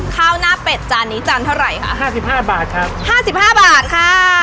ข้าวหน้าเป็ดจานนี้จานเท่าไหร่คะ๕๕บาทครับ๕๕บาทค่ะ